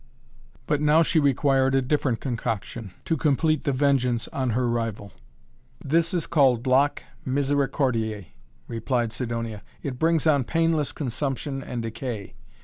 But now she required a different concoction to complete the vengeance on her rival. "This is called Lac Misericordiae," replied Sidonia. "It brings on painless consumption and decay!